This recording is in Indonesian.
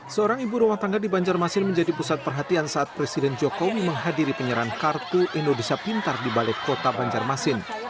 seorang ibu rumah tangga di banjarmasin menjadi pusat perhatian saat presiden jokowi menghadiri penyerahan kartu indonesia pintar di balik kota banjarmasin